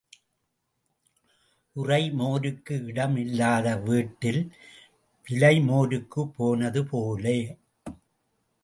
உறை மோருக்கு இடம் இல்லாத வீட்டில் விலை மோருக்குப் போனது போல.